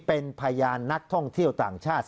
เป็นพยานนักท่องเที่ยวต่างชาติ